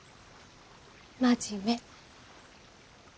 真面目。